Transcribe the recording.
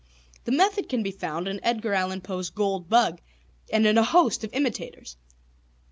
The method can be found in Edgar Allen Poe's "Gold Bug" and in a host of its imitators.